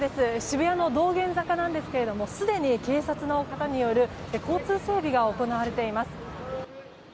渋谷の道玄坂なんですけどもすでに、警察の方による交通整備が行われています。